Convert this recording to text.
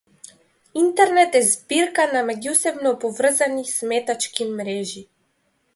Интернет е збирка на меѓусебно поврзани сметачки мрежи.